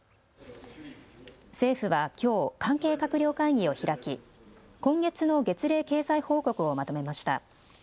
政府はきょう関係閣僚会議を開き今月の月例経済報告をまとめました。